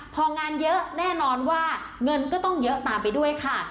พองานเยอะแน่นอนว่าเงินก็ต้องเยอะตามไปด้วยค่ะ